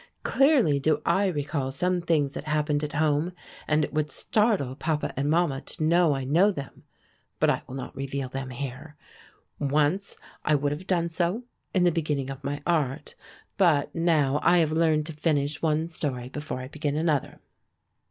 Clearly do I recall some things that happened at home, and it would startle papa and mamma to know I know them, but I will not reveal them here. Once I would have done so, in the beginning of my art; but now I have learned to finish one story before I begin another.